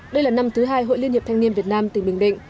đây là năm thứ hai hội liên hiệp thanh niên việt nam tỉnh bình định